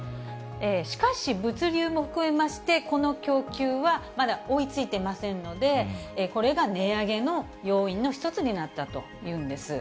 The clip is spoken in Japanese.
しかし、物流も含めまして、この供給はまだ追いついてませんので、これが値上げの要因の一つになったというんです。